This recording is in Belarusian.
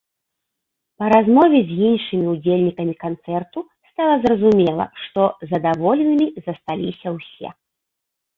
Па размове з іншымі ўдзельнікамі канцэрту стала зразумела, што задаволенымі засталіся ўсе!